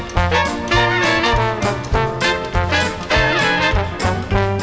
โปรดติดตามต่อไป